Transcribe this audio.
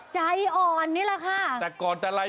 ใช่